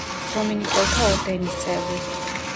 დომინიკელთა ორდენის წევრი.